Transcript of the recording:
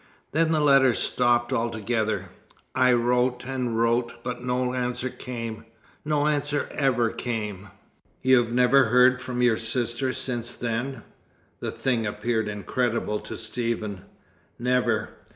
Then the letters stopped altogether. I wrote and wrote, but no answer came no answer ever came." "You've never heard from your sister since then?" The thing appeared incredible to Stephen. "Never.